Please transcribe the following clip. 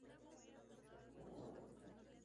Nacido en Chartres, de padres humildes.